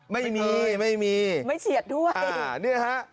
ไม่เฉียดด้วย